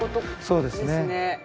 そうですね。